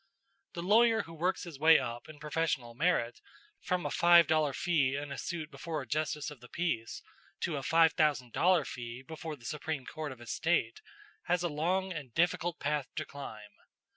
The lawyer who works his way up in professional merit from a five dollar fee in a suit before a justice of the peace to a five thousand dollar fee before the Supreme Court of his State has a long and difficult path to climb.